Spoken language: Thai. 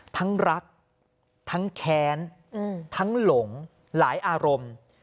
ทั้งรักทั้งแค้นทั้งหลงหลายอารมณ์